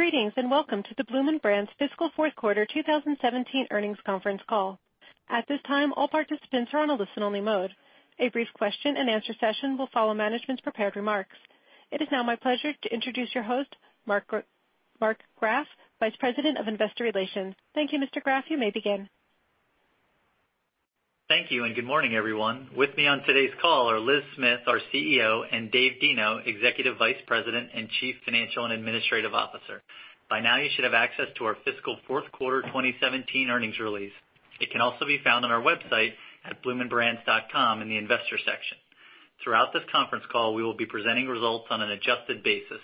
Greetings, welcome to the Bloomin' Brands fiscal fourth quarter 2017 earnings conference call. At this time, all participants are on a listen-only mode. A brief question and answer session will follow management's prepared remarks. It is now my pleasure to introduce your host, Mark Graff, Vice President of Investor Relations. Thank you, Mr. Graff. You may begin. Thank you, good morning, everyone. With me on today's call are Liz Smith, our CEO, and Dave Deno, Executive Vice President and Chief Financial and Administrative Officer. By now, you should have access to our fiscal fourth quarter 2017 earnings release. It can also be found on our website at bloominbrands.com in the Investors section. Throughout this conference call, we will be presenting results on an adjusted basis.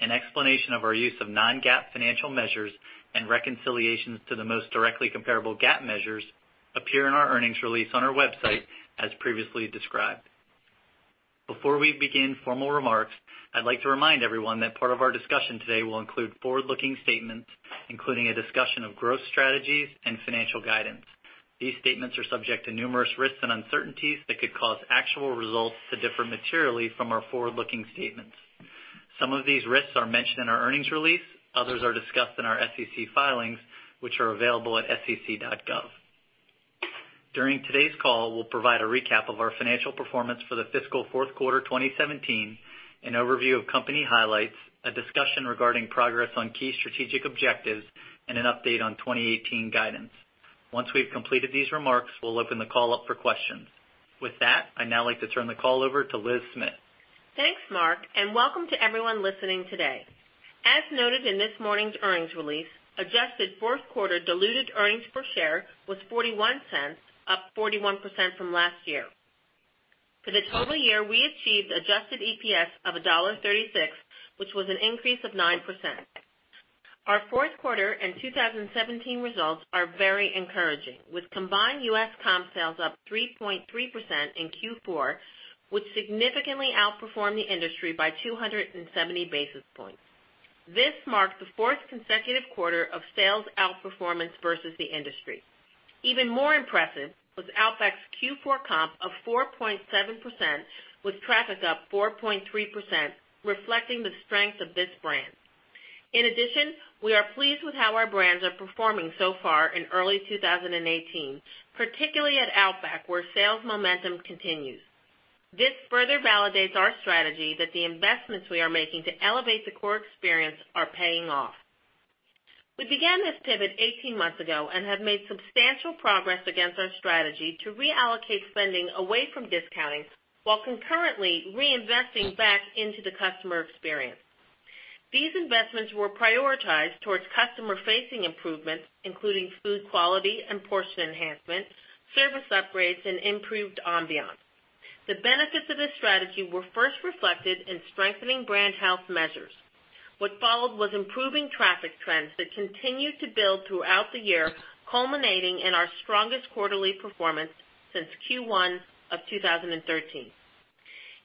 An explanation of our use of non-GAAP financial measures and reconciliations to the most directly comparable GAAP measures appear in our earnings release on our website as previously described. Before we begin formal remarks, I'd like to remind everyone that part of our discussion today will include forward-looking statements, including a discussion of growth strategies and financial guidance. These statements are subject to numerous risks and uncertainties that could cause actual results to differ materially from our forward-looking statements. Some of these risks are mentioned in our earnings release. Others are discussed in our SEC filings, which are available at sec.gov. During today's call, we'll provide a recap of our financial performance for the fiscal fourth quarter 2017, an overview of company highlights, a discussion regarding progress on key strategic objectives, and an update on 2018 guidance. Once we've completed these remarks, we'll open the call up for questions. With that, I'd now like to turn the call over to Liz Smith. Thanks, Mark, welcome to everyone listening today. As noted in this morning's earnings release, adjusted fourth-quarter diluted earnings per share was $0.41, up 41% from last year. For the total year, we achieved adjusted EPS of $1.36, which was an increase of 9%. Our fourth quarter and 2017 results are very encouraging, with combined U.S. comp sales up 3.3% in Q4, which significantly outperformed the industry by 270 basis points. This marks the fourth consecutive quarter of sales outperformance versus the industry. Even more impressive was Outback's Q4 comp of 4.7%, with traffic up 4.3%, reflecting the strength of this brand. In addition, we are pleased with how our brands are performing so far in early 2018, particularly at Outback, where sales momentum continues. This further validates our strategy that the investments we are making to elevate the core experience are paying off. We began this pivot 18 months ago and have made substantial progress against our strategy to reallocate spending away from discounting, while concurrently reinvesting back into the customer experience. These investments were prioritized towards customer-facing improvements, including food quality and portion enhancements, service upgrades, and improved ambiance. The benefits of this strategy were first reflected in strengthening brand health measures. What followed was improving traffic trends that continued to build throughout the year, culminating in our strongest quarterly performance since Q1 of 2013.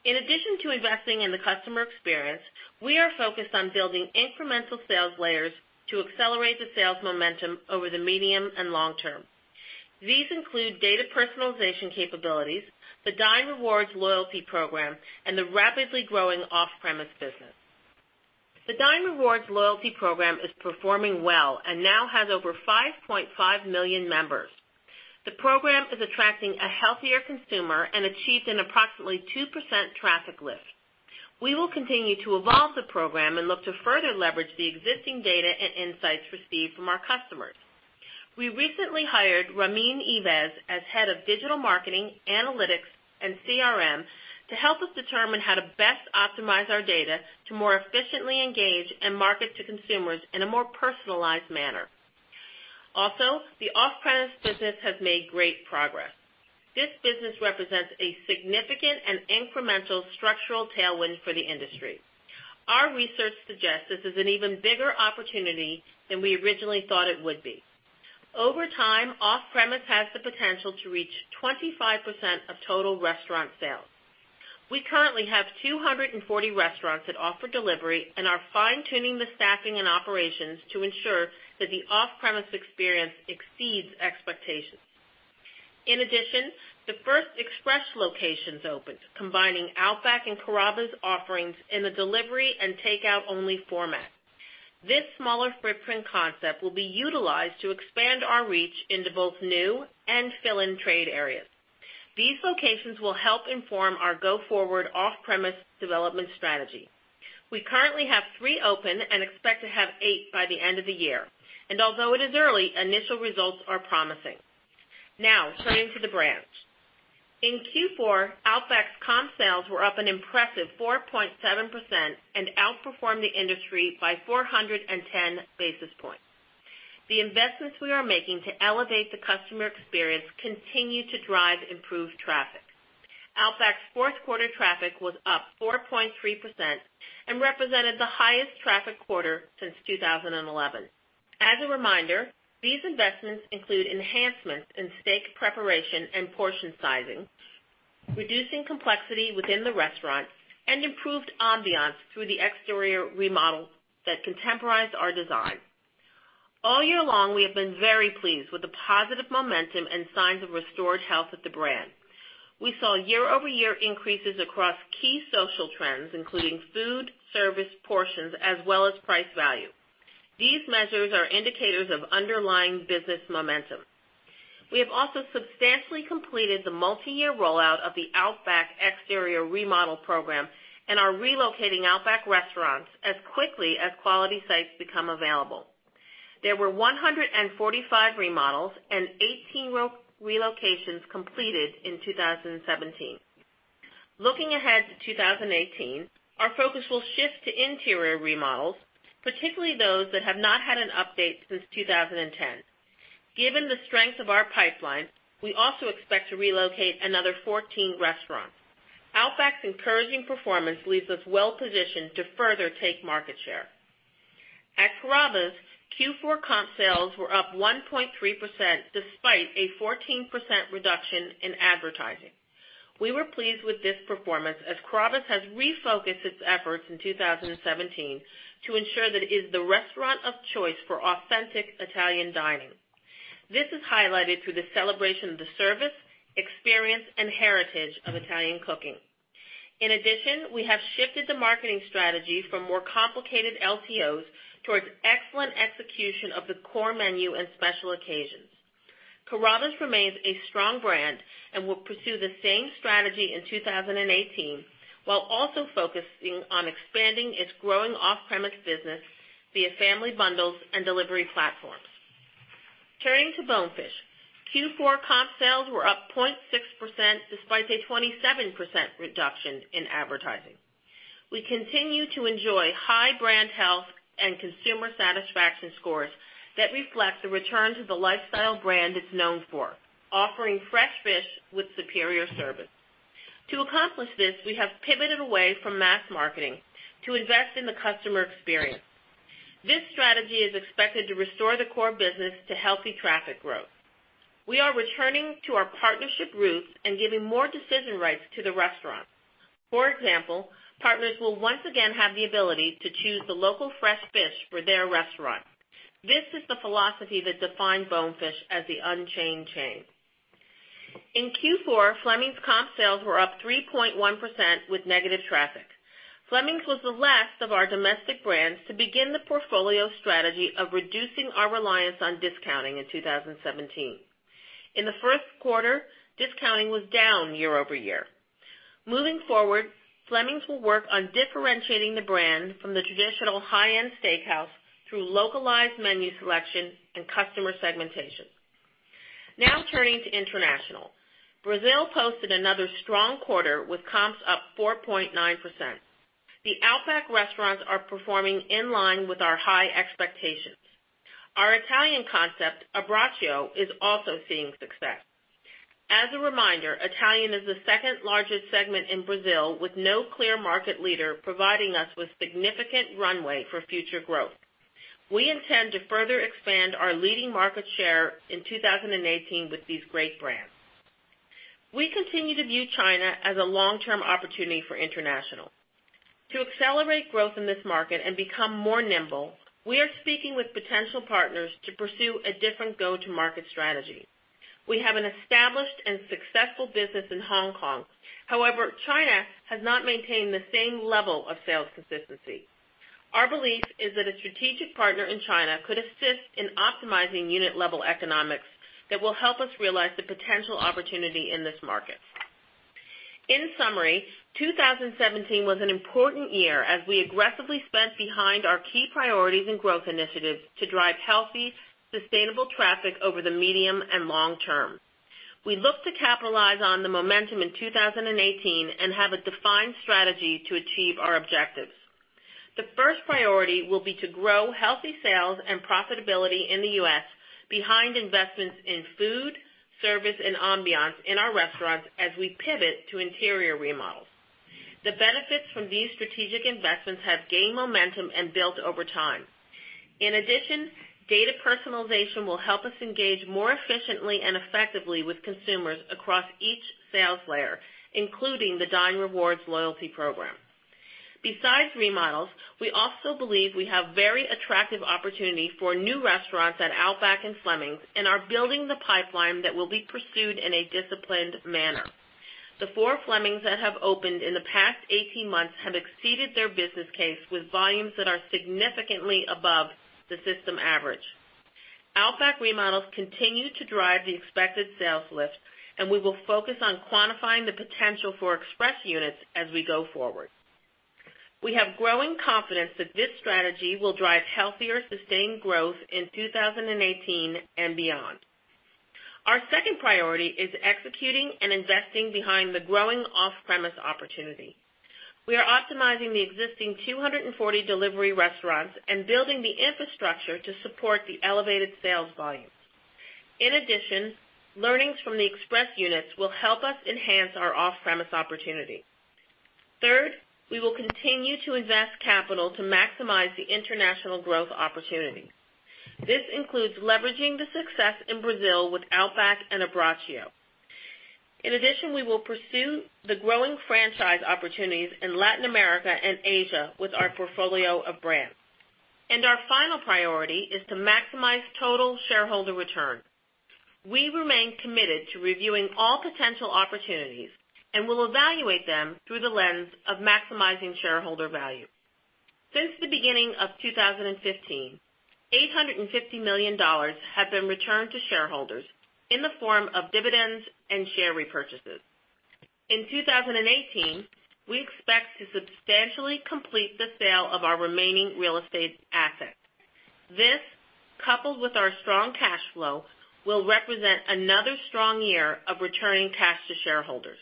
In addition to investing in the customer experience, we are focused on building incremental sales layers to accelerate the sales momentum over the medium and long term. These include data personalization capabilities, the Dine Rewards loyalty program, and the rapidly growing off-premise business. The Dine Rewards loyalty program is performing well and now has over 5.5 million members. The program is attracting a healthier consumer and achieved an approximately 2% traffic lift. We will continue to evolve the program and look to further leverage the existing data and insights received from our customers. We recently hired Ramin Eivaz as Head of Digital Marketing, Analytics, and CRM to help us determine how to best optimize our data to more efficiently engage and market to consumers in a more personalized manner. The off-premise business has made great progress. This business represents a significant and incremental structural tailwind for the industry. Our research suggests this is an even bigger opportunity than we originally thought it would be. Over time, off-premise has the potential to reach 25% of total restaurant sales. We currently have 240 restaurants that offer delivery and are fine-tuning the staffing and operations to ensure that the off-premise experience exceeds expectations. In addition, the first express locations opened, combining Outback and Carrabba's offerings in a delivery and takeout-only format. This smaller footprint concept will be utilized to expand our reach into both new and fill-in trade areas. These locations will help inform our go-forward off-premise development strategy. We currently have three open and expect to have eight by the end of the year. Although it is early, initial results are promising. Turning to the brands. In Q4, Outback's comp sales were up an impressive 4.7% and outperformed the industry by 410 basis points. The investments we are making to elevate the customer experience continue to drive improved traffic. Outback's fourth-quarter traffic was up 4.3% and represented the highest traffic quarter since 2011. As a reminder, these investments include enhancements in steak preparation and portion sizing, reducing complexity within the restaurant, and improved ambiance through the exterior remodel that contemporized our design. All year long, we have been very pleased with the positive momentum and signs of restored health of the brand. We saw year-over-year increases across key social trends, including food, service, portions, as well as price value. These measures are indicators of underlying business momentum. We have also substantially completed the multi-year rollout of the Outback exterior remodel program and are relocating Outback restaurants as quickly as quality sites become available. There were 145 remodels and 18 relocations completed in 2017. Looking ahead to 2018, our focus will shift to interior remodels, particularly those that have not had an update since 2010. Given the strength of our pipeline, we also expect to relocate another 14 restaurants. Outback's encouraging performance leaves us well-positioned to further take market share. At Carrabba's, Q4 comp sales were up 1.3% despite a 14% reduction in advertising. We were pleased with this performance, as Carrabba's has refocused its efforts in 2017 to ensure that it is the restaurant of choice for authentic Italian dining. This is highlighted through the celebration of the service, experience, and heritage of Italian cooking. In addition, we have shifted the marketing strategy from more complicated LTOs towards excellent execution of the core menu and special occasions. Carrabba's remains a strong brand and will pursue the same strategy in 2018, while also focusing on expanding its growing off-premise business via family bundles and delivery platforms. Turning to Bonefish, Q4 comp sales were up 0.6% despite a 27% reduction in advertising. We continue to enjoy high brand health and consumer satisfaction scores that reflect the return to the lifestyle brand it's known for, offering fresh fish with superior service. To accomplish this, we have pivoted away from mass marketing to invest in the customer experience. This strategy is expected to restore the core business to healthy traffic growth. We are returning to our partnership roots and giving more decision rights to the restaurant. For example, partners will once again have the ability to choose the local fresh fish for their restaurant. This is the philosophy that defined Bonefish as the unchained chain. In Q4, Fleming's comp sales were up 3.1% with negative traffic. Fleming's was the last of our domestic brands to begin the portfolio strategy of reducing our reliance on discounting in 2017. In the first quarter, discounting was down year-over-year. Moving forward, Fleming's will work on differentiating the brand from the traditional high-end steakhouse through localized menu selection and customer segmentation. Now turning to international. Brazil posted another strong quarter with comps up 4.9%. The Outback restaurants are performing in line with our high expectations. Our Italian concept, Abbraccio, is also seeing success. As a reminder, Italian is the second largest segment in Brazil with no clear market leader, providing us with significant runway for future growth. We intend to further expand our leading market share in 2018 with these great brands. We continue to view China as a long-term opportunity for international. To accelerate growth in this market and become more nimble, we are speaking with potential partners to pursue a different go-to-market strategy. We have an established and successful business in Hong Kong. However, China has not maintained the same level of sales consistency. Our belief is that a strategic partner in China could assist in optimizing unit-level economics that will help us realize the potential opportunity in this market. In summary, 2017 was an important year as we aggressively spent behind our key priorities and growth initiatives to drive healthy, sustainable traffic over the medium and long term. We look to capitalize on the momentum in 2018 and have a defined strategy to achieve our objectives. The first priority will be to grow healthy sales and profitability in the U.S. behind investments in food, service, and ambiance in our restaurants as we pivot to interior remodels. The benefits from these strategic investments have gained momentum and built over time. In addition, data personalization will help us engage more efficiently and effectively with consumers across each sales layer, including the Dine Rewards loyalty program. Besides remodels, we also believe we have very attractive opportunity for new restaurants at Outback and Fleming's and are building the pipeline that will be pursued in a disciplined manner. The four Fleming's that have opened in the past 18 months have exceeded their business case with volumes that are significantly above the system average. Outback remodels continue to drive the expected sales lift, and we will focus on quantifying the potential for express units as we go forward. We have growing confidence that this strategy will drive healthier, sustained growth in 2018 and beyond. Our second priority is executing and investing behind the growing off-premise opportunity. We are optimizing the existing 240 delivery restaurants and building the infrastructure to support the elevated sales volumes. In addition, learnings from the express units will help us enhance our off-premise opportunity. Third, we will continue to invest capital to maximize the international growth opportunity. This includes leveraging the success in Brazil with Outback and Abbraccio. In addition, we will pursue the growing franchise opportunities in Latin America and Asia with our portfolio of brands. Our final priority is to maximize total shareholder return. We remain committed to reviewing all potential opportunities, and we'll evaluate them through the lens of maximizing shareholder value. Since the beginning of 2015, $850 million have been returned to shareholders in the form of dividends and share repurchases. In 2018, we expect to substantially complete the sale of our remaining real estate assets. This, coupled with our strong cash flow, will represent another strong year of returning cash to shareholders.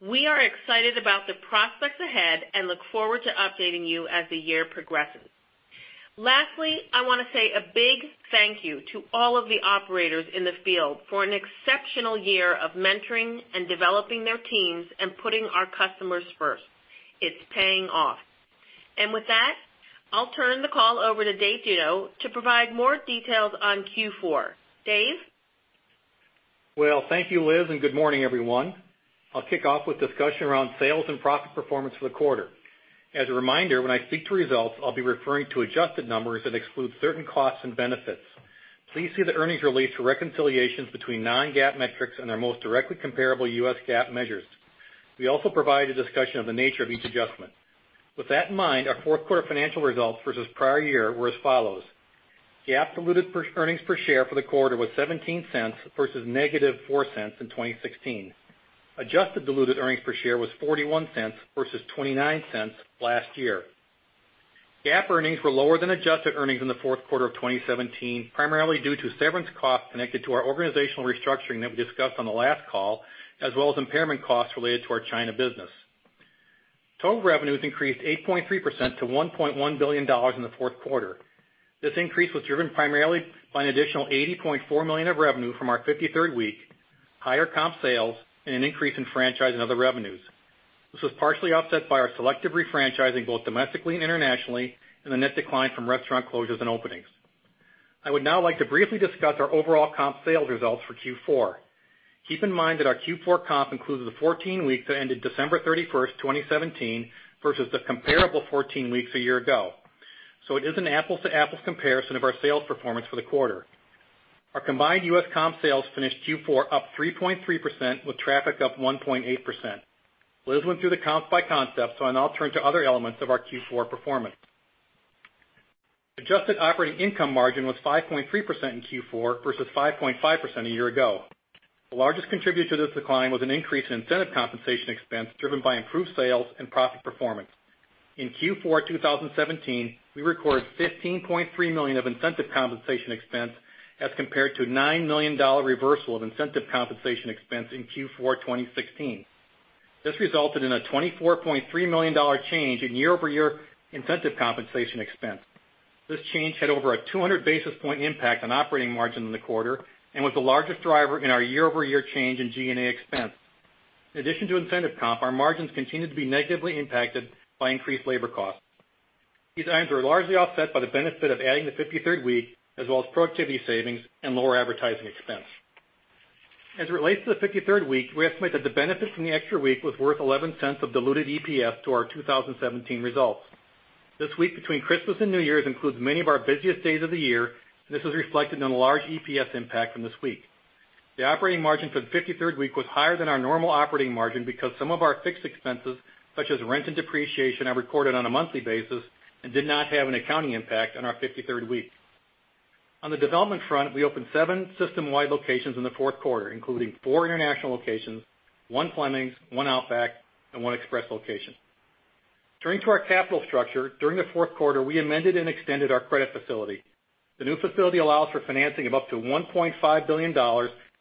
We are excited about the prospects ahead, and look forward to updating you as the year progresses. Lastly, I want to say a big thank you to all of the operators in the field for an exceptional year of mentoring and developing their teams and putting our customers first. It's paying off. With that, I'll turn the call over to Dave Deno to provide more details on Q4. Dave? Well, thank you, Liz, and good morning, everyone. I'll kick off with discussion around sales and profit performance for the quarter. As a reminder, when I speak to results, I'll be referring to adjusted numbers that exclude certain costs and benefits. Please see the earnings release for reconciliations between non-GAAP metrics and their most directly comparable U.S. GAAP measures. We also provide a discussion of the nature of each adjustment. With that in mind, our fourth quarter financial results versus prior year were as follows: GAAP diluted earnings per share for the quarter was $0.17 versus negative $0.04 in 2016. Adjusted diluted earnings per share was $0.41 versus $0.29 last year. GAAP earnings were lower than adjusted earnings in the fourth quarter of 2017, primarily due to severance costs connected to our organizational restructuring that we discussed on the last call, as well as impairment costs related to our China business. Total revenues increased 8.3% to $1.1 billion in the fourth quarter. This increase was driven primarily by an additional $80.4 million of revenue from our 53rd week, higher comp sales, and an increase in franchise and other revenues. This was partially offset by our selective refranchising, both domestically and internationally, and the net decline from restaurant closures and openings. I would now like to briefly discuss our overall comp sales results for Q4. Keep in mind that our Q4 comp includes the 14 weeks that ended December 31st, 2017, versus the comparable 14 weeks a year ago. It is an apples-to-apples comparison of our sales performance for the quarter. Our combined U.S. comp sales finished Q4 up 3.3%, with traffic up 1.8%. Liz went through the comps by concept, so now I'll turn to other elements of our Q4 performance. Adjusted operating income margin was 5.3% in Q4 versus 5.5% a year ago. The largest contributor to this decline was an increase in incentive compensation expense driven by improved sales and profit performance. In Q4 2017, we recorded $15.3 million of incentive compensation expense as compared to a $9 million reversal of incentive compensation expense in Q4 2016. This resulted in a $24.3 million change in year-over-year incentive compensation expense. This change had over a 200 basis point impact on operating margin in the quarter and was the largest driver in our year-over-year change in G&A expense. In addition to incentive comp, our margins continued to be negatively impacted by increased labor costs. These items are largely offset by the benefit of adding the 53rd week, as well as productivity savings and lower advertising expense. As it relates to the 53rd week, we estimate that the benefit from the extra week was worth $0.11 of diluted EPS to our 2017 results. This week between Christmas and New Year's includes many of our busiest days of the year, and this is reflected in a large EPS impact from this week. The operating margin for the 53rd week was higher than our normal operating margin because some of our fixed expenses, such as rent and depreciation, are recorded on a monthly basis and did not have an accounting impact on our 53rd week. On the development front, we opened seven system-wide locations in the fourth quarter, including four international locations, one Fleming's, one Outback, and one Express location. Turning to our capital structure, during the fourth quarter, we amended and extended our credit facility. The new facility allows for financing of up to $1.5 billion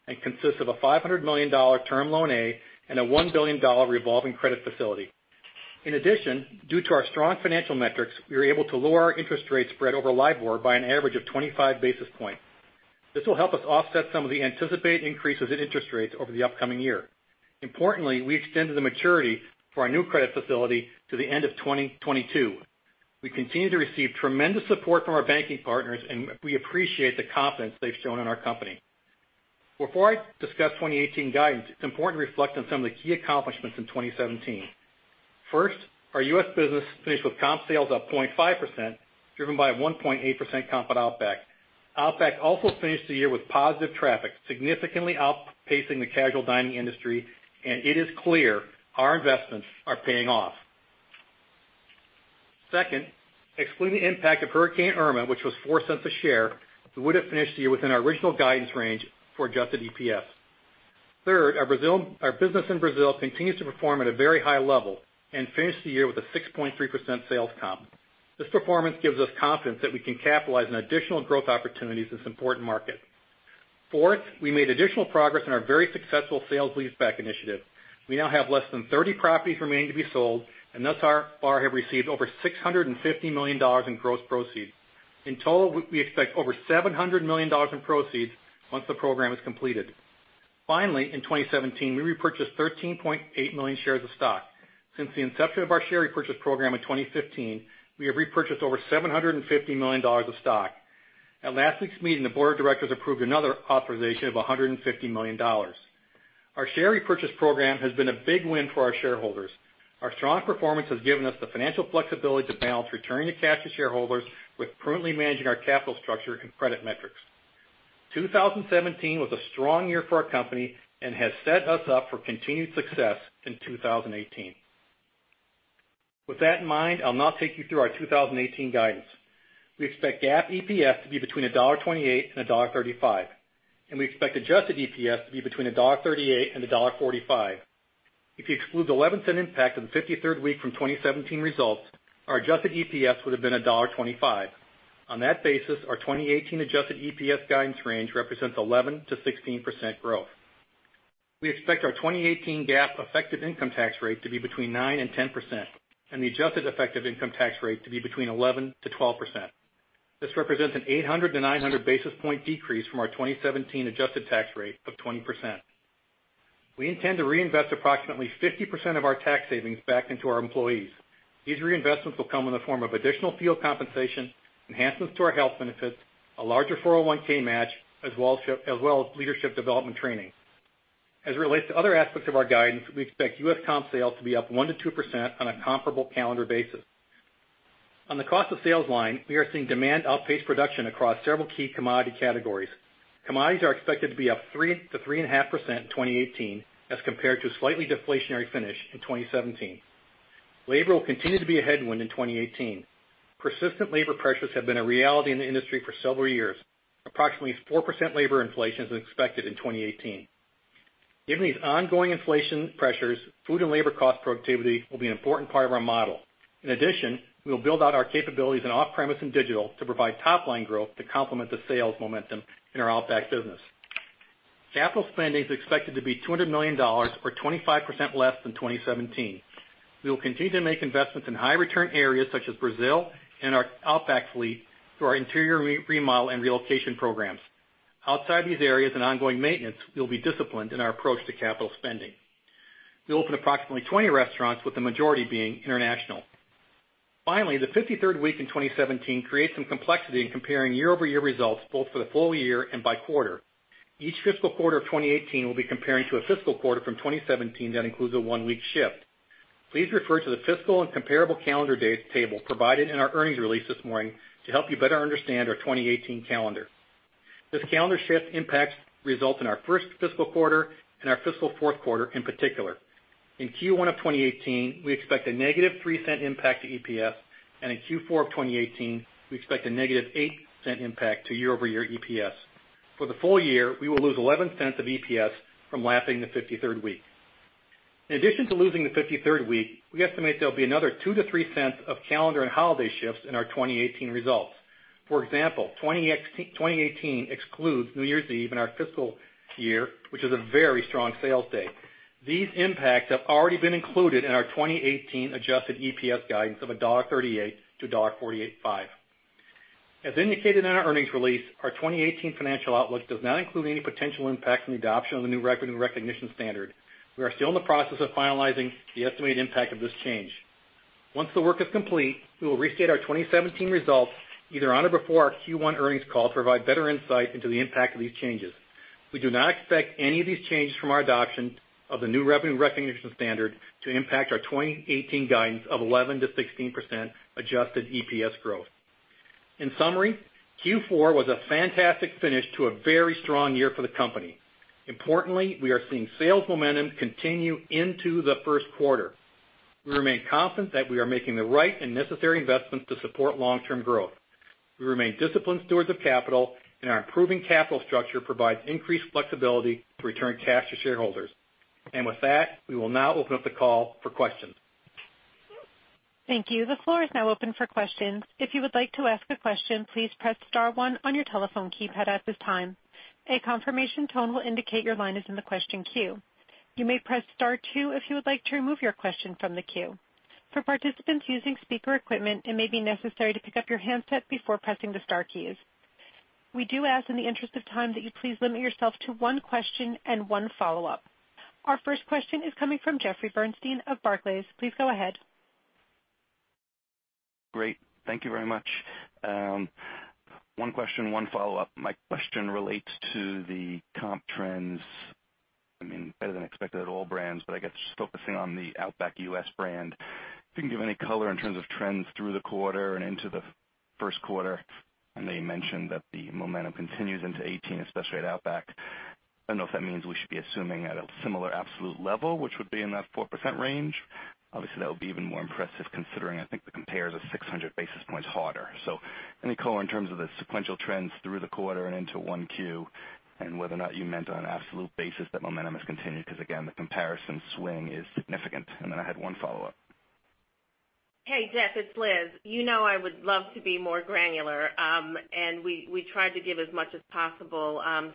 and consists of a $500 million term loan A and a $1 billion revolving credit facility. In addition, due to our strong financial metrics, we were able to lower our interest rate spread over LIBOR by an average of 25 basis points. This will help us offset some of the anticipated increases in interest rates over the upcoming year. Importantly, we extended the maturity for our new credit facility to the end of 2022. We continue to receive tremendous support from our banking partners, and we appreciate the confidence they've shown in our company. Before I discuss 2018 guidance, it's important to reflect on some of the key accomplishments in 2017. First, our U.S. business finished with comp sales up 0.5%, driven by a 1.8% comp at Outback. Outback also finished the year with positive traffic, significantly outpacing the casual dining industry, and it is clear our investments are paying off. Second, excluding the impact of Hurricane Irma, which was $0.04 a share, we would have finished the year within our original guidance range for adjusted EPS. Third, our business in Brazil continues to perform at a very high level and finished the year with a 6.3% sales comp. This performance gives us confidence that we can capitalize on additional growth opportunities in this important market. Fourth, we made additional progress in our very successful Sales Leaseback Initiative. We now have less than 30 properties remaining to be sold, and thus far have received over $650 million in gross proceeds. In total, we expect over $700 million in proceeds once the program is completed. Finally, in 2017, we repurchased 13.8 million shares of stock. Since the inception of our Share Repurchase Program in 2015, we have repurchased over $750 million of stock. At last week's meeting, the board of directors approved another authorization of $150 million. Our Share Repurchase Program has been a big win for our shareholders. Our strong performance has given us the financial flexibility to balance returning the cash to shareholders with prudently managing our capital structure and credit metrics. 2017 was a strong year for our company and has set us up for continued success in 2018. With that in mind, I'll now take you through our 2018 guidance. We expect GAAP EPS to be between $1.28 and $1.35. We expect adjusted EPS to be between $1.38 and $1.45. If you exclude the $0.11 impact of the 53rd week from 2017 results, our adjusted EPS would have been $1.25. On that basis, our 2018 adjusted EPS guidance range represents 11%-16% growth. We expect our 2018 GAAP effective income tax rate to be between 9%-10%. The adjusted effective income tax rate to be between 11%-12%. This represents an 800-900 basis point decrease from our 2017 adjusted tax rate of 20%. We intend to reinvest approximately 50% of our tax savings back into our employees. These reinvestments will come in the form of additional field compensation, enhancements to our health benefits, a larger 401(k) match, as well as leadership development training. As it relates to other aspects of our guidance, we expect U.S. comp sales to be up 1%-2% on a comparable calendar basis. On the cost of sales line, we are seeing demand outpace production across several key commodity categories. Commodities are expected to be up 3%-3.5% in 2018 as compared to a slightly deflationary finish in 2017. Labor will continue to be a headwind in 2018. Persistent labor pressures have been a reality in the industry for several years. Approximately 4% labor inflation is expected in 2018. Given these ongoing inflation pressures, food and labor cost productivity will be an important part of our model. In addition, we will build out our capabilities in off-premise and digital to provide top-line growth to complement the sales momentum in our Outback business. Capital spending is expected to be $200 million, or 25% less than 2017. We will continue to make investments in high return areas such as Brazil and our Outback fleet through our interior remodel and relocation programs. Outside these areas and ongoing maintenance, we'll be disciplined in our approach to capital spending. We open approximately 20 restaurants, with the majority being international. Finally, the 53rd week in 2017 creates some complexity in comparing year-over-year results both for the full year and by quarter. Each fiscal quarter of 2018 will be comparing to a fiscal quarter from 2017 that includes a one-week shift. Please refer to the fiscal and comparable calendar table provided in our earnings release this morning to help you better understand our 2018 calendar. This calendar shift impacts results in our first fiscal quarter and our fiscal fourth quarter in particular. In Q1 of 2018, we expect a negative $0.03 impact to EPS, and in Q4 of 2018, we expect a negative $0.08 impact to year-over-year EPS. For the full year, we will lose $0.11 of EPS from lapping the 53rd week. In addition to losing the 53rd week, we estimate there'll be another $0.02-$0.03 of calendar and holiday shifts in our 2018 results. For example, 2018 excludes New Year's Eve in our fiscal year, which is a very strong sales day. These impacts have already been included in our 2018 adjusted EPS guidance of $1.38-$1.485. As indicated in our earnings release, our 2018 financial outlook does not include any potential impact from the adoption of the new revenue recognition standard. We are still in the process of finalizing the estimated impact of this change. Once the work is complete, we will restate our 2017 results either on or before our Q1 earnings call to provide better insight into the impact of these changes. We do not expect any of these changes from our adoption of the new revenue recognition standard to impact our 2018 guidance of 11%-16% adjusted EPS growth. In summary, Q4 was a fantastic finish to a very strong year for the company. Importantly, we are seeing sales momentum continue into the first quarter. We remain confident that we are making the right and necessary investments to support long-term growth. We remain disciplined stewards of capital, and our improving capital structure provides increased flexibility to return cash to shareholders. With that, we will now open up the call for questions. Thank you. The floor is now open for questions. If you would like to ask a question, please press *1 on your telephone keypad at this time. A confirmation tone will indicate your line is in the question queue. You may press *2 if you would like to remove your question from the queue. For participants using speaker equipment, it may be necessary to pick up your handset before pressing the * keys. We do ask in the interest of time that you please limit yourself to one question and one follow-up. Our first question is coming from Jeffrey Bernstein of Barclays. Please go ahead. Great. Thank you very much. One question, one follow-up. My question relates to the comp trends, better than expected at all brands. I guess just focusing on the Outback U.S. brand. If you can give any color in terms of trends through the quarter and into the first quarter, I know you mentioned that the momentum continues into 2018, especially at Outback. I don't know if that means we should be assuming at a similar absolute level, which would be in that 4% range. Obviously, that would be even more impressive considering I think the compare is a 600 basis points harder. Any color in terms of the sequential trends through the quarter and into 1Q and whether or not you meant on an absolute basis that momentum has continued, because again, the comparison swing is significant. I had one follow-up. Hey, Jeff, it's Liz. You know I would love to be more granular. We tried to give as much as possible. I'm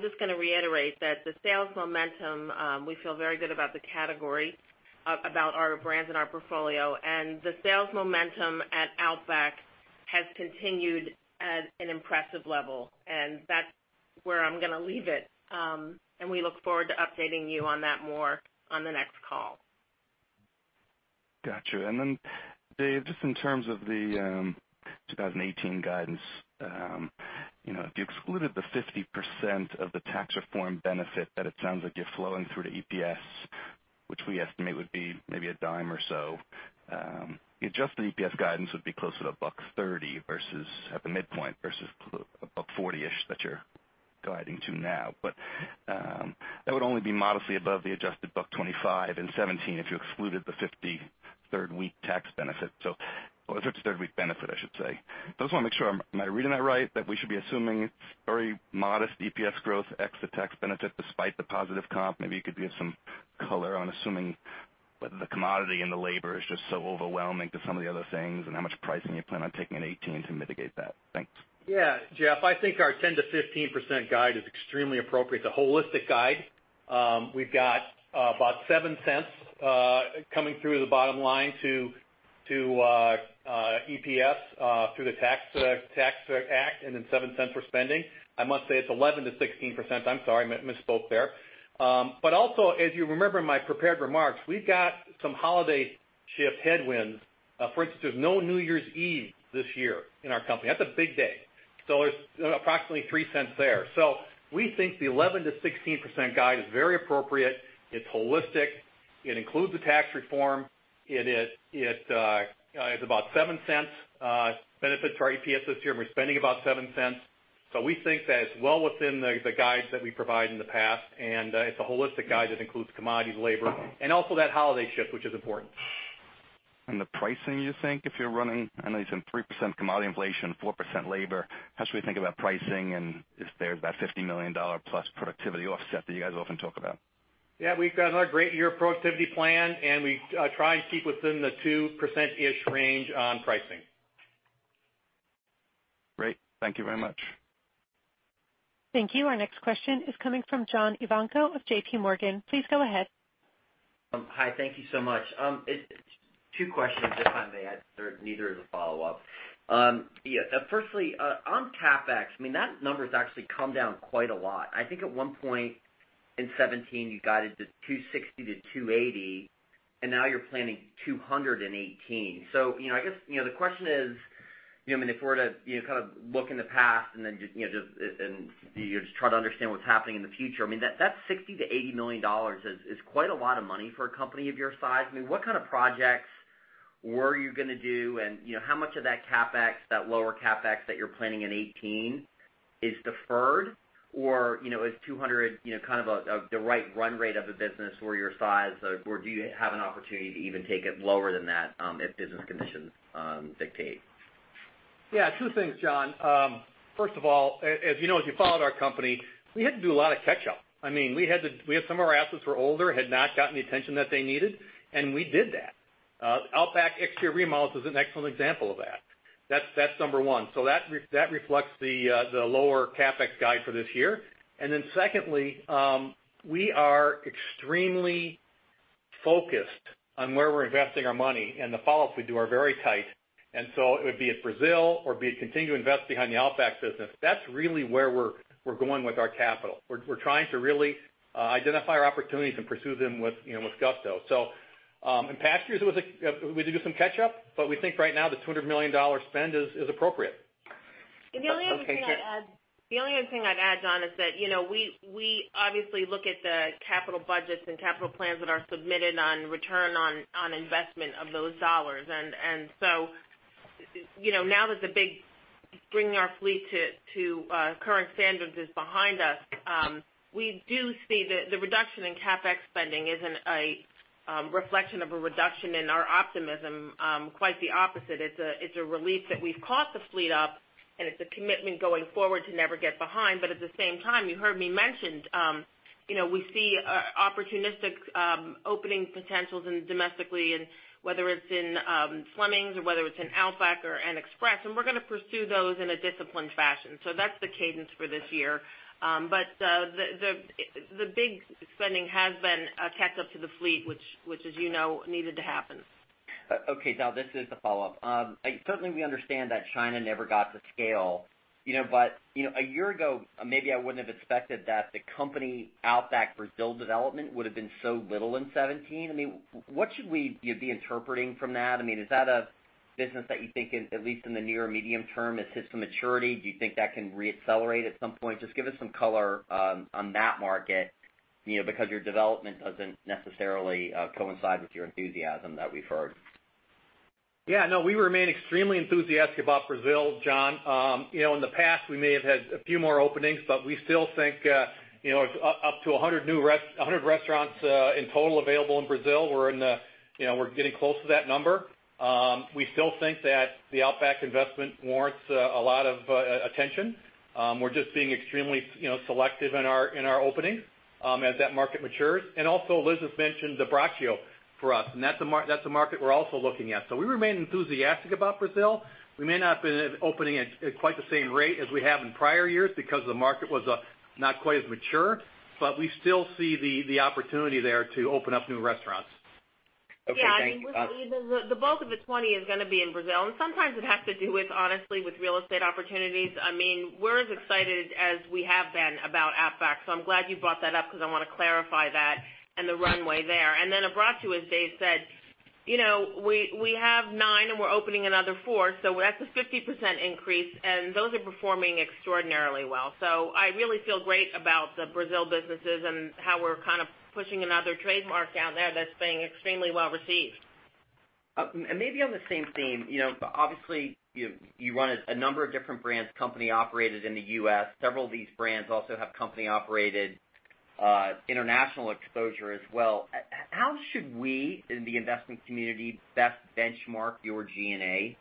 just going to reiterate that the sales momentum, we feel very good about the category, about our brands and our portfolio, and the sales momentum at Outback has continued at an impressive level, and that's where I'm going to leave it. We look forward to updating you on that more on the next call. Got you. Dave, just in terms of the 2018 guidance, if you excluded the 50% of the tax reform benefit that it sounds like you're flowing through to EPS, which we estimate would be maybe a $0.10 or so, the adjusted EPS guidance would be closer to $1.30 at the midpoint versus $1.40-ish that you're guiding to now. That would only be modestly above the adjusted $1.25 in 2017 if you excluded the 53rd week tax benefit. I just want to make sure, am I reading that right? That we should be assuming very modest EPS growth ex the tax benefit despite the positive comp? Maybe you could give some color on assuming whether the commodity and the labor is just so overwhelming to some of the other things, and how much pricing you plan on taking in 2018 to mitigate that. Thanks. Yeah, Jeff, I think our 10%-15% guide is extremely appropriate. It's a holistic guide. We've got about $0.07 coming through the bottom line to EPS through the Tax Act and then $0.07 for spending. I must say it's 11%-16%. I'm sorry, misspoke there. If you remember in my prepared remarks, we've got some holiday shift headwinds. For instance, there's no New Year's Eve this year in our company. That's a big day. There's approximately $0.03 there. We think the 11%-16% guide is very appropriate. It's holistic. It includes the tax reform. It is about $0.07 benefit to our EPS this year, and we're spending about $0.07. We think that it's well within the guides that we provided in the past, and it's a holistic guide that includes commodities, labor, and also that holiday shift, which is important. The pricing, you think, if you're running, I know you said 3% commodity inflation, 4% labor. How should we think about pricing and if there's that $50 million plus productivity offset that you guys often talk about? We've got another great year of productivity planned, and we try and keep within the 2%-ish range on pricing. Great. Thank you very much. Thank you. Our next question is coming from John Ivankoe of J.P. Morgan. Please go ahead. Hi. Thank you so much. Two questions if I may. Neither is a follow-up. Yeah. Firstly, on CapEx, that number's actually come down quite a lot. I think at one point in 2017, you guided to $260 million-$280 million, and now you're planning $200 million in 2018. I guess the question is, if we're to look in the past and then just try to understand what's happening in the future, that $60 million-$80 million is quite a lot of money for a company of your size. What kind of projects were you going to do, and how much of that CapEx, that lower CapEx that you're planning in 2018 is deferred, or is $200 million kind of the right run rate of a business for your size, or do you have an opportunity to even take it lower than that if business conditions dictate? Yeah, two things, John. First of all, as you know, as you followed our company, we had to do a lot of catch-up. Some of our assets were older, had not gotten the attention that they needed, and we did that. Outback exterior remodels is an excellent example of that. That's number one. Secondly, we are extremely focused on where we're investing our money, and the follow-ups we do are very tight. It would be at Brazil or be it continue to invest behind the Outback business. That's really where we're going with our capital. We're trying to really identify our opportunities and pursue them with gusto. In past years, we had to do some catch-up, but we think right now the $200 million spend is appropriate. Okay, fair. The only other thing I'd add, John, is that we obviously look at the capital budgets and capital plans that are submitted on return on investment of those dollars. Now that the big bringing our fleet to current standards is behind us, we do see the reduction in CapEx spending isn't a reflection of a reduction in our optimism. Quite the opposite. It's a relief that we've caught the fleet up, and it's a commitment going forward to never get behind. At the same time, you heard me mention we see opportunistic opening potentials domestically, and whether it's in Fleming's or whether it's in Outback or in Express, and we're going to pursue those in a disciplined fashion. That's the cadence for this year. The big spending has been a catch-up to the fleet, which, as you know, needed to happen. Okay. Now this is the follow-up. Certainly, we understand that China never got to scale. A year ago, maybe I wouldn't have expected that the company Outback Brazil development would have been so little in 2017. What should we be interpreting from that? Is that a business that you think, at least in the near medium term, has hit some maturity? Do you think that can re-accelerate at some point? Just give us some color on that market, because your development doesn't necessarily coincide with your enthusiasm that we've heard. Yeah, no, we remain extremely enthusiastic about Brazil, John. In the past, we may have had a few more openings, but we still think up to 100 restaurants in total available in Brazil. We're getting close to that number. We still think that the Outback investment warrants a lot of attention. We're just being extremely selective in our openings as that market matures. Liz has mentioned Abbraccio for us, and that's a market we're also looking at. We remain enthusiastic about Brazil. We may not be opening at quite the same rate as we have in prior years because the market was not quite as mature, but we still see the opportunity there to open up new restaurants. Okay, thank you. The bulk of the 20 is going to be in Brazil, sometimes it has to do with, honestly, with real estate opportunities. We're as excited as we have been about Outback, I'm glad you brought that up because I want to clarify that and the runway there. Then Abbraccio, as Dave said We have nine and we're opening another four, that's a 50% increase, and those are performing extraordinarily well. I really feel great about the Brazil businesses and how we're kind of pushing another trademark down there that's being extremely well received. Maybe on the same theme. Obviously, you run a number of different brands, company operated in the U.S. Several of these brands also have company-operated international exposure as well. How should we, in the investment community, best benchmark your G&A?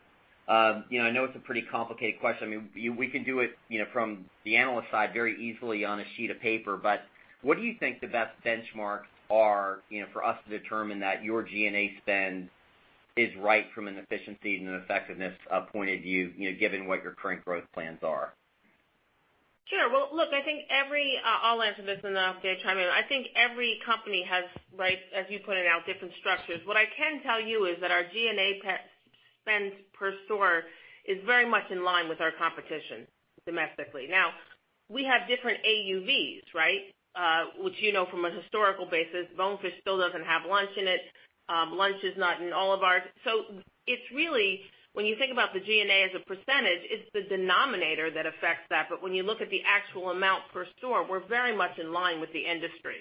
I know it's a pretty complicated question. We can do it from the analyst side very easily on a sheet of paper, but what do you think the best benchmarks are for us to determine that your G&A spend is right from an efficiency and effectiveness point of view, given what your current growth plans are? Sure. I'll answer this, then I'll give it to Chuck. I think every company has, as you pointed out, different structures. What I can tell you is that our G&A spend per store is very much in line with our competition domestically. Now, we have different AUVs. Which you know from a historical basis, Bonefish still doesn't have lunch in it. Lunch is not in Olive Garden. When you think about the G&A as a percentage, it's the denominator that affects that. When you look at the actual amount per store, we're very much in line with the industry.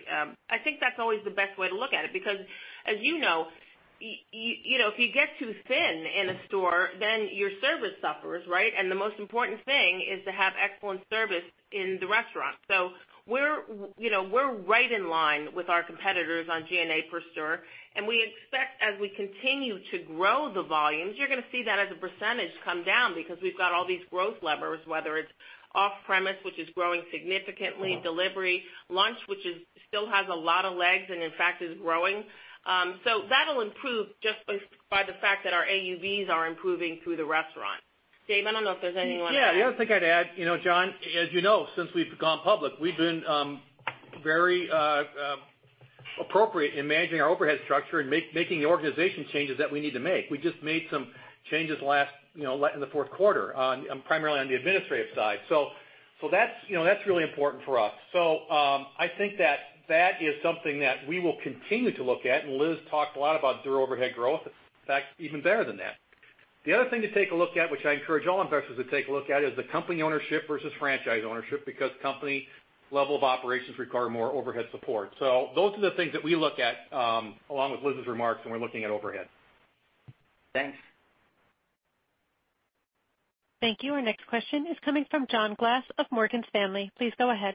I think that's always the best way to look at it, because as you know, if you get too thin in a store, then your service suffers. The most important thing is to have excellent service in the restaurant. We're right in line with our competitors on G&A per store. We expect, as we continue to grow the volumes, you're going to see that as a percentage come down because we've got all these growth levers, whether it's off-premise, which is growing significantly, delivery, lunch, which still has a lot of legs and in fact is growing. That'll improve just by the fact that our AUVs are improving through the restaurant. Dave, I don't know if there's anything you want to add. Yeah. The other thing I'd add, John, as you know, since we've gone public, we've been very appropriate in managing our overhead structure and making the organization changes that we need to make. We just made some changes in the fourth quarter, primarily on the administrative side. That's really important for us. I think that is something that we will continue to look at, and Liz talked a lot about through overhead growth. In fact, even better than that. The other thing to take a look at, which I encourage all investors to take a look at, is the company ownership versus franchise ownership, because company level of operations require more overhead support. Those are the things that we look at along with Liz's remarks when we're looking at overhead. Thanks. Thank you. Our next question is coming from John Glass of Morgan Stanley. Please go ahead.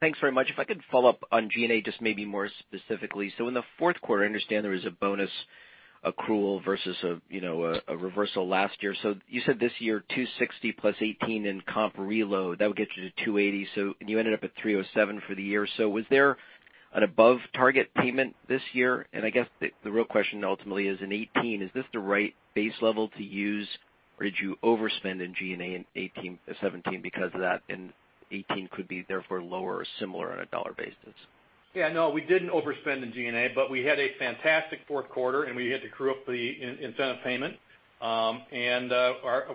Thanks very much. If I could follow up on G&A, just maybe more specifically. In the fourth quarter, I understand there was a bonus accrual versus a reversal last year. You said this year $260 plus $18 in comp reload, that would get you to $280. You ended up at $307 for the year. Was there an above target payment this year? I guess the real question ultimately is, in 2018, is this the right base level to use, or did you overspend in G&A in 2017 because of that, and 2018 could be therefore lower or similar on a dollar basis? Yeah, no, we didn't overspend in G&A. We had a fantastic fourth quarter, and we had to accrue up the incentive payment.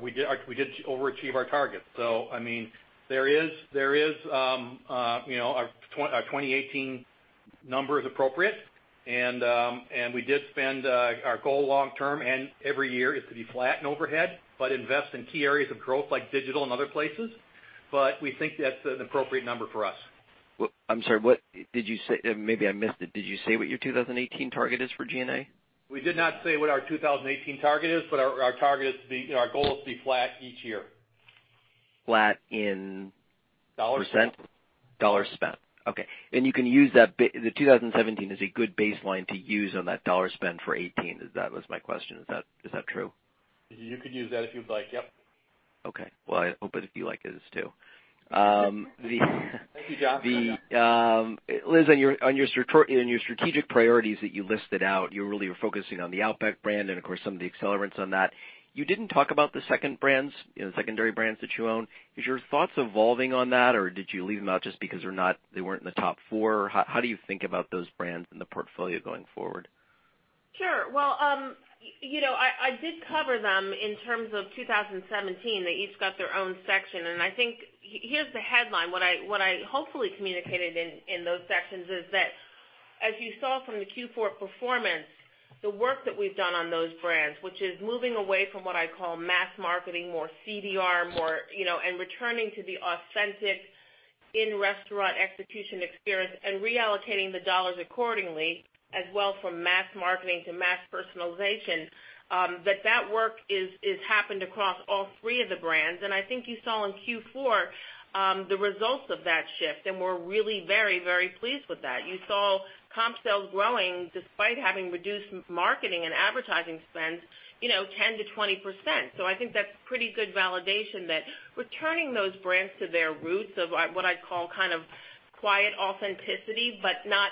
We did overachieve our targets. Our 2018 number is appropriate, and we did spend our goal long term. Every year is to be flat in overhead, but invest in key areas of growth like digital and other places. We think that's an appropriate number for us. I'm sorry, what did you say? Maybe I missed it. Did you say what your 2018 target is for G&A? We did not say what our 2018 target is. Our goal is to be flat each year. Flat in %? Dollar spent. Dollar spent. Okay. The 2017 is a good baseline to use on that dollar spend for 2018. That was my question. Is that true? You could use that if you'd like. Yep. Okay. Well, I hope it if you like it is too. Thank you, John. Liz, on your strategic priorities that you listed out, you really were focusing on the Outback brand and of course, some of the accelerants on that. You didn't talk about the second brands, the secondary brands that you own. Is your thoughts evolving on that, or did you leave them out just because they weren't in the top four? How do you think about those brands in the portfolio going forward? Sure. I did cover them in terms of 2017. They each got their own section. I think here's the headline. What I hopefully communicated in those sections is that as you saw from the Q4 performance, the work that we've done on those brands, which is moving away from what I call mass marketing, more CRM, and returning to the authentic in-restaurant execution experience and reallocating the dollars accordingly, as well from mass marketing to mass personalization, that work has happened across all three of the brands. I think you saw in Q4 the results of that shift, and we're really very, very pleased with that. You saw comp sales growing despite having reduced marketing and advertising spends 10%-20%. I think that's pretty good validation that returning those brands to their roots of what I call kind of quiet authenticity, but not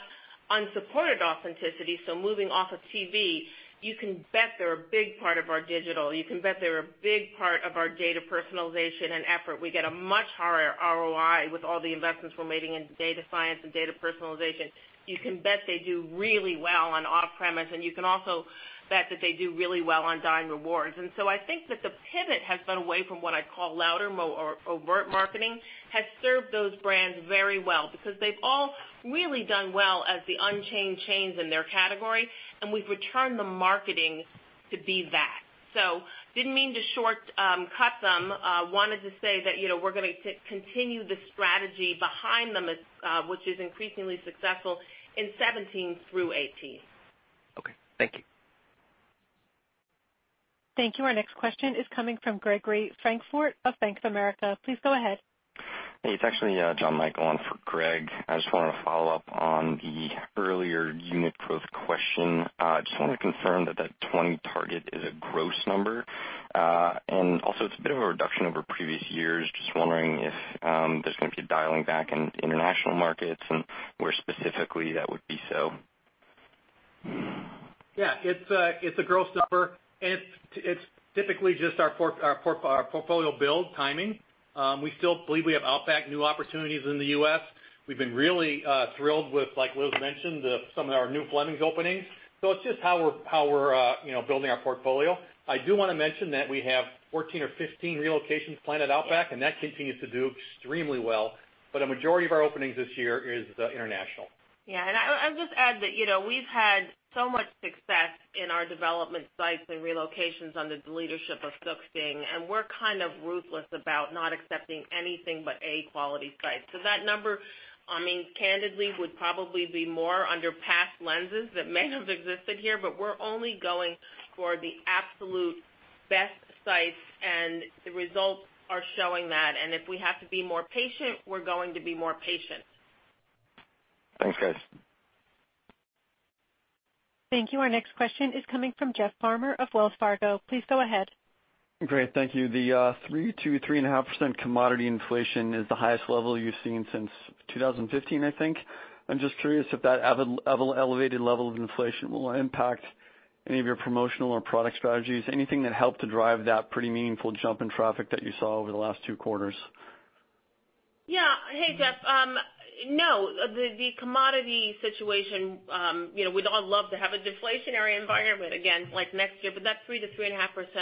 unsupported authenticity. Moving off of TV, you can bet they're a big part of our digital. You can bet they're a big part of our data personalization and effort. We get a much higher ROI with all the investments we're making in data science and data personalization. You can bet they do really well on off-premise, and you can also bet that they do really well on Dine Rewards. I think that the pivot has been away from what I call louder, more overt marketing, has served those brands very well because they've all really done well as the unchained chains in their category, and we've returned the marketing to be that. Didn't mean to shortcut them. Wanted to say that we're going to continue the strategy behind them, which is increasingly successful in 2017 through 2018. Okay. Thank you. Thank you. Our next question is coming from Gregory Francfort of Bank of America. Please go ahead. Hey, it's actually John Michael on for Greg. I just wanted to follow up on the earlier unit growth question. Just wanted to confirm that that 20 target is a gross number. Also, it's a bit of a reduction over previous years. Just wondering if there's going to be a dialing back in international markets and where specifically that would be. Yeah. It's a gross number and it's typically just our portfolio build timing. We still believe we have Outback new opportunities in the U.S. We've been really thrilled with, like Liz mentioned, some of our new Fleming's openings. It's just how we're building our portfolio. I do want to mention that we have 14 or 15 relocations planned at Outback and that continues to do extremely well. A majority of our openings this year is international. Yeah. I would just add that we've had so much success in our development sites and relocations under the leadership of Suk Singh. We're kind of ruthless about not accepting anything but A quality sites. That number, candidly would probably be more under past lenses that may have existed here, but we're only going for the absolute best sites and the results are showing that. If we have to be more patient, we're going to be more patient. Thanks, guys. Thank you. Our next question is coming from Jeff Farmer of Wells Fargo. Please go ahead. Great. Thank you. The 3%-3.5% commodity inflation is the highest level you've seen since 2015, I think. I'm just curious if that elevated level of inflation will impact any of your promotional or product strategies, anything that helped to drive that pretty meaningful jump in traffic that you saw over the last two quarters. Hey, Jeff. The commodity situation, we'd all love to have a deflationary environment again, like next year, but that 3%-3.5%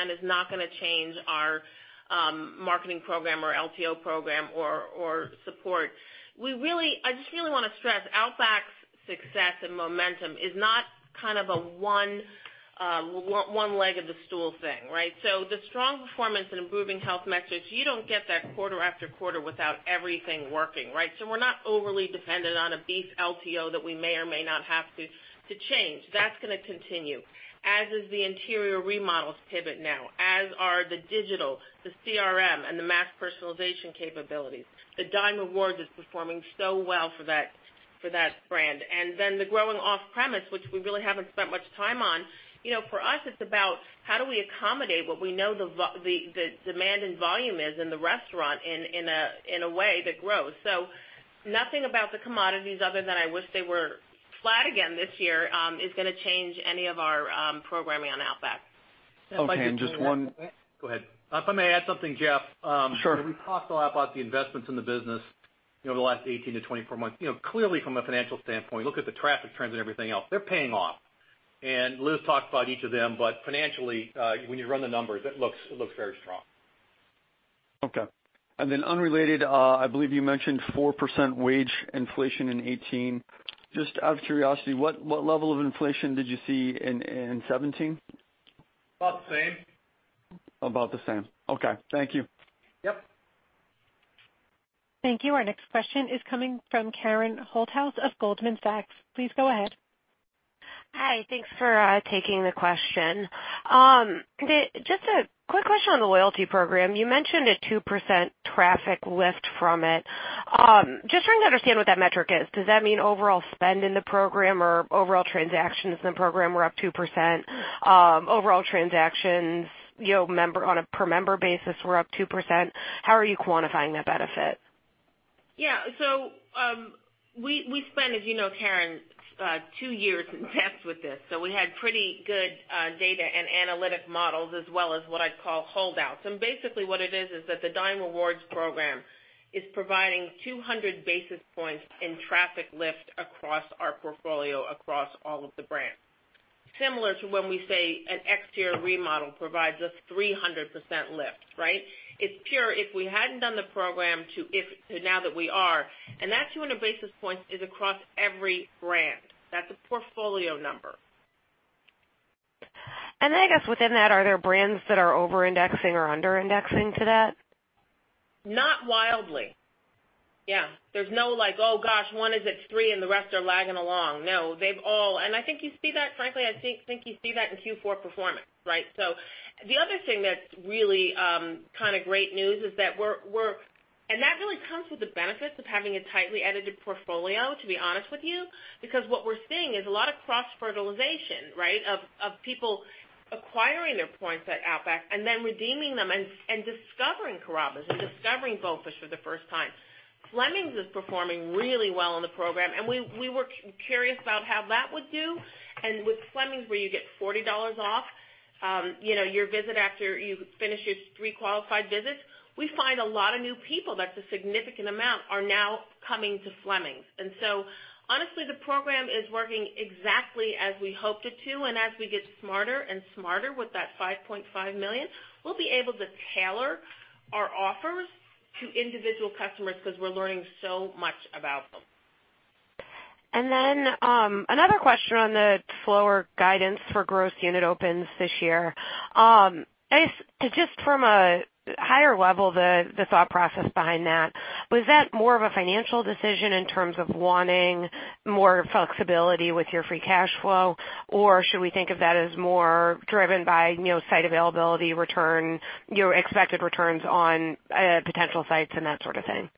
is not going to change our marketing program or LTO program or support. I just really want to stress Outback's success and momentum is not kind of a one leg of the stool thing, right? The strong performance and improving health metrics, you don't get that quarter after quarter without everything working, right? We're not overly dependent on a beef LTO that we may or may not have to change. That's going to continue, as is the interior remodels pivot now. As are the digital, the CRM, and the mass personalization capabilities. The Dine Rewards is performing so well for that brand. The growing off-premise, which we really haven't spent much time on. For us, it's about how do we accommodate what we know the demand and volume is in the restaurant in a way that grows. Nothing about the commodities other than I wish they were flat again this year, is going to change any of our programming on Outback. Okay. Go ahead. If I may add something, Jeff. Sure. We've talked a lot about the investments in the business over the last 18-24 months. Clearly from a financial standpoint, look at the traffic trends and everything else. They're paying off. Liz talked about each of them, but financially, when you run the numbers, it looks very strong. Okay. Unrelated, I believe you mentioned 4% wage inflation in 2018. Just out of curiosity, what level of inflation did you see in 2017? About the same. About the same. Okay. Thank you. Yep. Thank you. Our next question is coming from Karen Holthouse of Goldman Sachs. Please go ahead. Hi. Thanks for taking the question. Just a quick question on the loyalty program. You mentioned a 2% traffic lift from it. Just trying to understand what that metric is. Does that mean overall spend in the program or overall transactions in the program were up 2%? Overall transactions on a per member basis were up 2%? How are you quantifying that benefit? Yeah. We spent, as you know, Karen, two years in tests with this. We had pretty good data and analytic models as well as what I'd call holdouts. Basically what it is that the Dine Rewards program is providing 200 basis points in traffic lift across our portfolio across all of the brands. Similar to when we say an exterior remodel provides us 300% lift, right? It's pure if we hadn't done the program to now that we are, and that 200 basis points is across every brand. That's a portfolio number. I guess within that, are there brands that are over-indexing or under-indexing to that? Not wildly. Yeah. There's no like, "Oh gosh, one is at 3 and the rest are lagging along." No. I think you see that, frankly, I think you see that in Q4 performance, right? The other thing that's really kind of great news is that we're and that really comes with the benefits of having a tightly edited portfolio, to be honest with you, because what we're seeing is a lot of cross-fertilization, right, of people acquiring their points at Outback and then redeeming them and discovering Carrabba's and discovering Bonefish for the first time. Fleming's is performing really well in the program, and we were curious about how that would do. With Fleming's, where you get $40 off your visit after you finish your three qualified visits, we find a lot of new people, that's a significant amount, are now coming to Fleming's. Honestly, the program is working exactly as we hoped it to, as we get smarter and smarter with that 5.5 million, we'll be able to tailor our offers to individual customers because we're learning so much about them. Another question on the slower guidance for gross unit opens this year. I guess, just from a higher level, the thought process behind that, was that more of a financial decision in terms of wanting more flexibility with your free cash flow, or should we think of that as more driven by site availability return, your expected returns on potential sites and that sort of thing?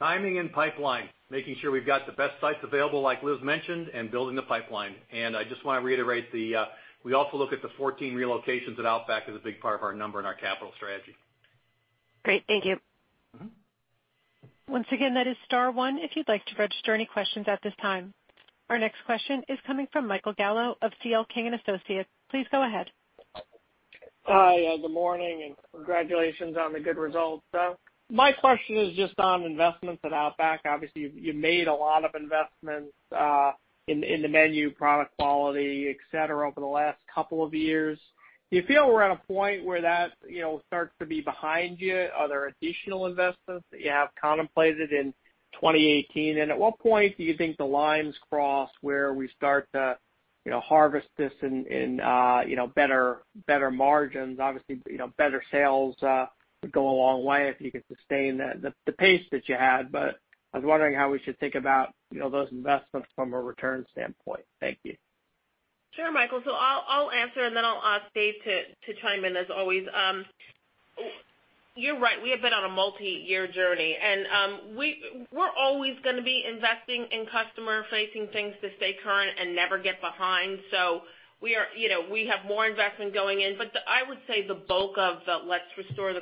Timing and pipeline, making sure we've got the best sites available, like Liz mentioned, and building the pipeline. I just want to reiterate, we also look at the 14 relocations at Outback as a big part of our number and our capital strategy. Great. Thank you. Once again, that is star one if you'd like to register any questions at this time. Our next question is coming from Michael Gallo of C.L. King & Associates. Please go ahead. Hi, good morning, and congratulations on the good results. My question is just on investments at Outback. Obviously, you made a lot of investments in the menu, product quality, et cetera, over the last couple of years. Do you feel we're at a point where that starts to be behind you? Are there additional investments that you have contemplated in 2018? At what point do you think the lines cross where we start to harvest this in better margins? Obviously, better sales would go a long way if you could sustain the pace that you had. I was wondering how we should think about those investments from a return standpoint. Thank you. Sure, Michael. I'll answer, then I'll ask Dave to chime in, as always. You're right. We have been on a multi-year journey, and we're always going to be investing in customer-facing things to stay current and never get behind. We have more investment going in, I would say the bulk of the "Let's restore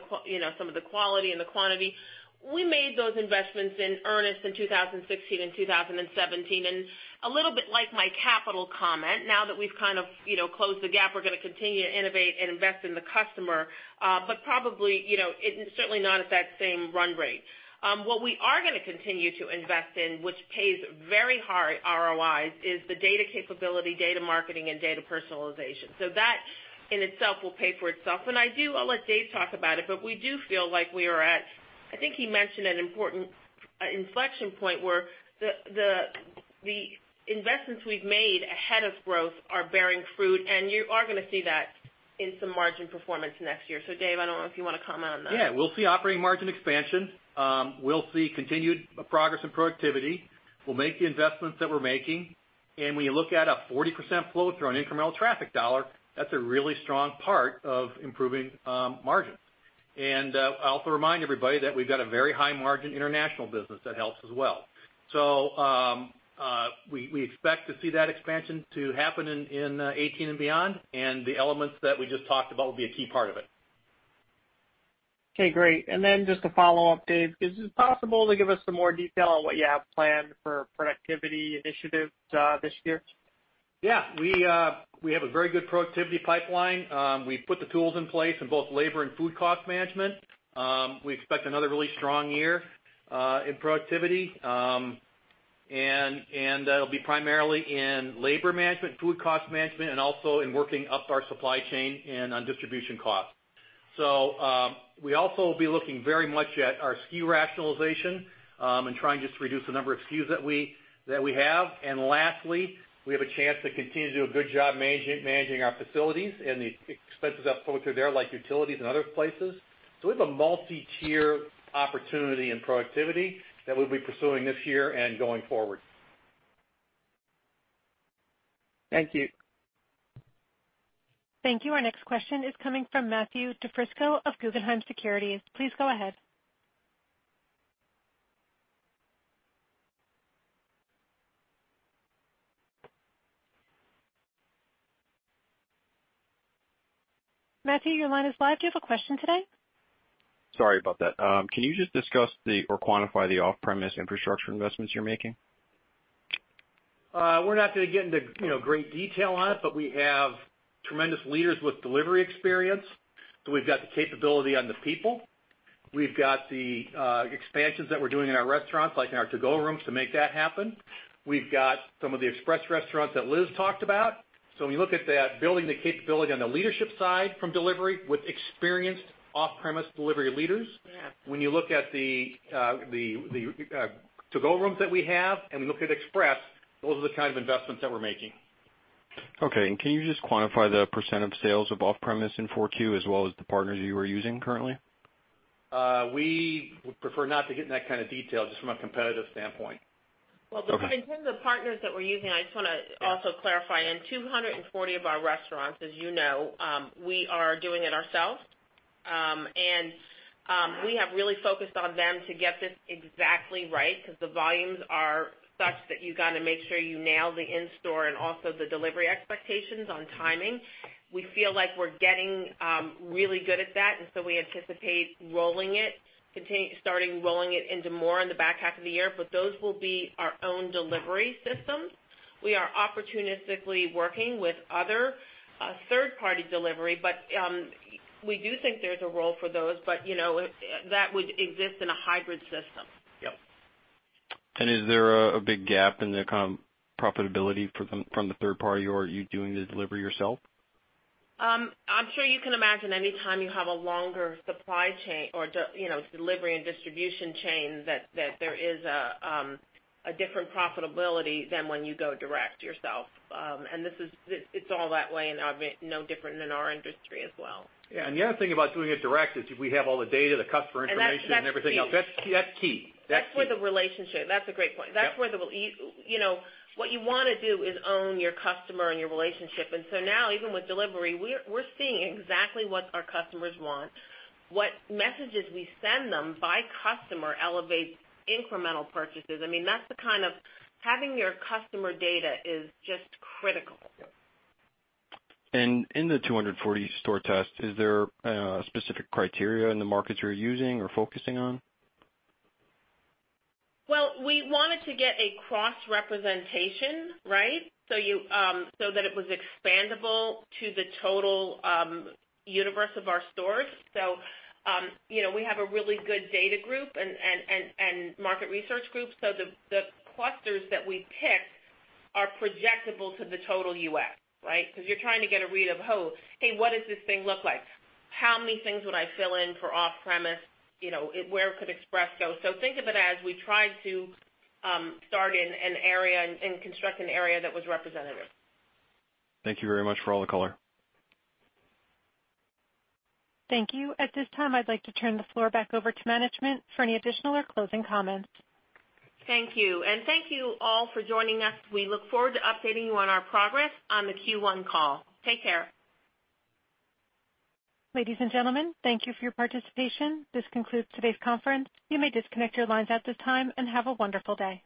some of the quality and the quantity," we made those investments in earnest in 2016 and 2017. A little bit like my capital comment, now that we've kind of closed the gap, we're going to continue to innovate and invest in the customer. Probably, it is certainly not at that same run rate. What we are going to continue to invest in, which pays very high ROIs, is the data capability, data marketing, and data personalization. That in itself will pay for itself. I'll let Dave talk about it, but we do feel like we are at, I think he mentioned, an important inflection point where the investments we've made ahead of growth are bearing fruit, and you are going to see that in some margin performance next year. Dave, I don't know if you want to comment on that. Yeah. We'll see operating margin expansion. We'll see continued progress in productivity. We'll make the investments that we're making. When you look at a 40% flow-through on incremental traffic dollar, that's a really strong part of improving margins. I also remind everybody that we've got a very high margin international business that helps as well. We expect to see that expansion to happen in 2018 and beyond, and the elements that we just talked about will be a key part of it. Okay, great. Just a follow-up, Dave. Is it possible to give us some more detail on what you have planned for productivity initiatives this year? Yeah. We have a very good productivity pipeline. We've put the tools in place in both labor and food cost management. We expect another really strong year in productivity, that'll be primarily in labor management, food cost management, and also in working up our supply chain and on distribution costs. We also will be looking very much at our SKU rationalization, and trying just to reduce the number of SKUs that we have. Lastly, we have a chance to continue to do a good job managing our facilities and the expenses that flow through there, like utilities and other places. We have a multi-tier opportunity in productivity that we'll be pursuing this year and going forward. Thank you. Thank you. Our next question is coming from Matthew DiFrisco of Guggenheim Securities. Please go ahead. Matthew, your line is live. Do you have a question today? Sorry about that. Can you just discuss or quantify the off-premise infrastructure investments you're making? We're not going to get into great detail on it, we have tremendous leaders with delivery experience, we've got the capability on the people. We've got the expansions that we're doing in our restaurants, like in our to-go rooms to make that happen. We've got some of the express restaurants that Liz talked about. When you look at that, building the capability on the leadership side from delivery with experienced off-premise delivery leaders. When you look at the to-go rooms that we have and we look at express, those are the kind of investments that we're making. Can you just quantify the 4Q percent of sales of off-premise, as well as the partners you are using currently? We would prefer not to get in that kind of detail, just from a competitive standpoint. Okay. In terms of partners that we're using, I just want to also clarify. In 240 of our restaurants, as you know, we are doing it ourselves. We have really focused on them to get this exactly right because the volumes are such that you got to make sure you nail the in-store and also the delivery expectations on timing. We feel like we're getting really good at that, we anticipate starting rolling it into more in the back half of the year. Those will be our own delivery systems. We are opportunistically working with other third-party delivery, but we do think there's a role for those, but that would exist in a hybrid system. Yep. Is there a big gap in the kind of profitability from the third party, or are you doing the delivery yourself? I'm sure you can imagine any time you have a longer supply chain or delivery and distribution chain, that there is a different profitability than when you go direct yourself. It's all that way and no different than our industry as well. Yeah. The other thing about doing it direct is we have all the data, the customer information and everything else. That's key. That's key. That's a great point. Yep. What you want to do is own your customer and your relationship. Now, even with delivery, we're seeing exactly what our customers want. What messages we send them by customer elevates incremental purchases. I mean, having your customer data is just critical. Yep. In the 240 store test, is there a specific criteria in the markets you're using or focusing on? Well, we wanted to get a cross-representation, right? That it was expandable to the total universe of our stores. We have a really good data group and market research group. The clusters that we picked are projectable to the total U.S., right? Because you're trying to get a read of, "Oh, hey, what does this thing look like? How many things would I fill in for off-premise? Where could express go?" Think of it as we tried to start in an area and construct an area that was representative. Thank you very much for all the color. Thank you. At this time, I'd like to turn the floor back over to management for any additional or closing comments. Thank you. Thank you all for joining us. We look forward to updating you on our progress on the Q1 call. Take care. Ladies and gentlemen, thank you for your participation. This concludes today's conference. You may disconnect your lines at this time. Have a wonderful day.